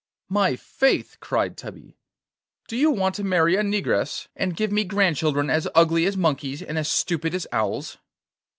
'My faith!' cried Tubby; 'do you want to marry a negress, and give me grandchildren as ugly as monkeys and as stupid as owls?